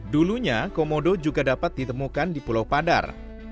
dulunya komodo juga dapat ditemukan di pulau padar